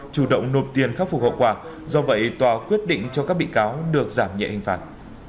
chủ động nộp tiền khắc phục hậu quả do vậy tòa quyết định cho các bị cáo được giảm nhẹ hình phạt